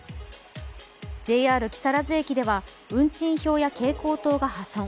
ＪＲ木更津駅では運賃表や蛍光灯が破損。